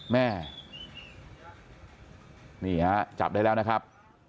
แม่นี่ฮะจับได้แล้วนะครับ